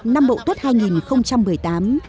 năm bậu thất hai nghìn một mươi tám